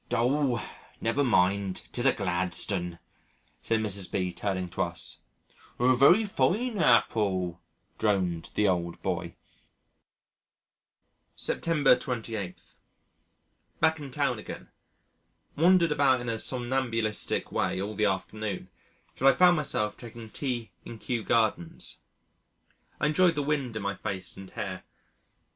"Oh! never mind, 'tis a Gladstone," said Mrs. B., turning to us. "A very fine Appull," droned the old boy. September 28. Back in town again. Wandered about in a somnambulistic way all the afternoon till I found myself taking tea in Kew Gardens. I enjoyed the wind in my face and hair.